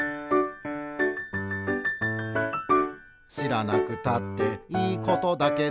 「しらなくたっていいことだけど」